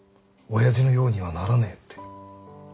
親父のようにはならねえって。